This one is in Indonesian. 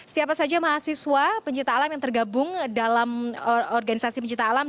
siapa saja mahasiswa pencipta alam yang tergabung dalam organisasi pencipta alam